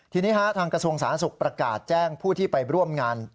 ทีนี้ทางกระทรวงสาธารณสุขประกาศแจ้งผู้ที่ไปร่วมงาน